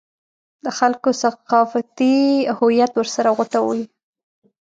د خلکو ثقافتي هویت ورسره غوټه وي.